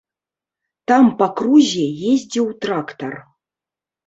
Там па крузе ездзіў трактар.